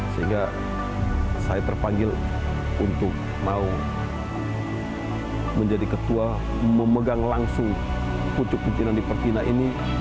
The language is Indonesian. sehingga saya terpanggil untuk mau menjadi ketua memegang langsung pucuk pimpinan di pertina ini